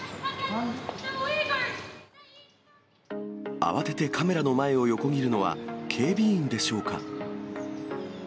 慌ててカメラの前を横切るのは警備員でしょうか。